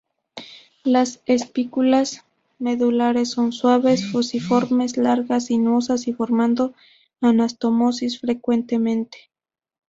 Las espículas medulares son suaves, fusiformes, largas, sinuosas y formando anastomosis frecuentemente.